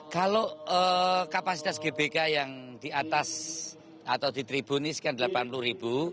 kalau kapasitas gbk yang di atas atau di tribun ini sekian delapan puluh ribu